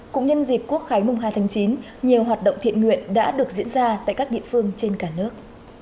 cũng nhân dịp quốc khái mùng hai tháng chín nhiều hoạt động thiện nguyện đã được diễn ra tại các địa phương trên cả nước